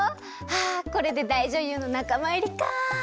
ああこれでだいじょゆうのなかまいりかあ。